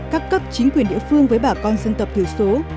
các cấp chính quyền địa phương với bà con dân tập thừa số